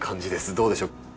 どうでしょう？